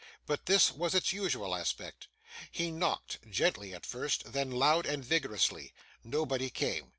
But this was its usual aspect. He knocked gently at first then loud and vigorously. Nobody came.